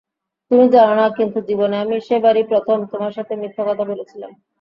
তুমি জানোনা কিন্তু জীবনে আমি সেবারই প্রথম, তোমার সাথে মিথ্যা কথা বলেছিলাম।